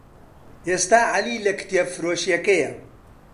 ئێستا عەلی لە کتێبفرۆشییەکەیە.